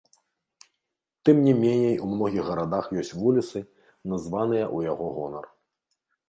Тым не меней у многіх гарадах ёсць вуліцы, названыя ў яго гонар.